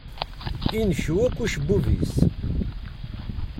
Incew akk ucebbub-is.